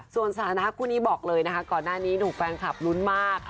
ส่วนสถานะคู่นี้บอกเลยนะคะก่อนหน้านี้ถูกแฟนคลับลุ้นมาก